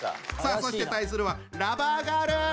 さあそして対するはラバーガール！